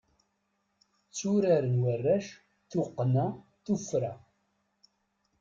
Tturaren warrac tuqqna tuffra.